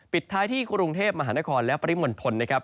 ปิดท้ายที่กรุงเทพมหานครและปริมณฑลนะครับ